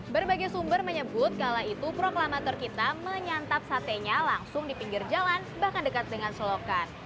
berbagai sumber menyebut kala itu proklamator kita menyantap satenya langsung di pinggir jalan bahkan dekat dengan selokan